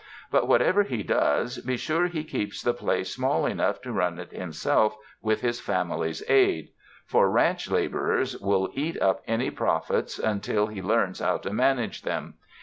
But whatever he does, be sure he keeps the place small enough to run it himself with his family's aid, for ranch laborers will eat up any profits until he 252 RESIDENCE IN THE LAND OF SUNSHINE learns bow to manage them.